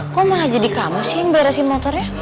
kok malah jadi kamu sih yang beresin motornya